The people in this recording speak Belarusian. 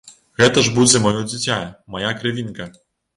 Гэта ж будзе маё дзіця, мая крывінка.